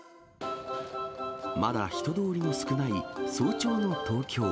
まだ人通りの少ない早朝の東京。